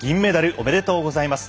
おめでとうございます。